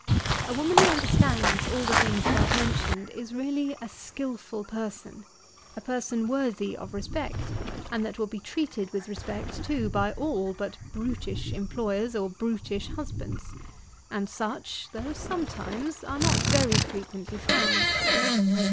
A woman who understands all the things above mentioned, is really a skilful person; a person worthy of respect, and that will be treated with respect too, by all but brutish employers or brutish husbands; and such, though sometimes, are not very frequently found.